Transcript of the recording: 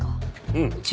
うん。